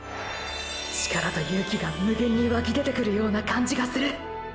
力と勇気が無限に湧き出てくるような感じがする。